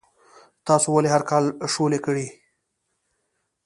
تاسو ولې هر کال شولې کرئ؟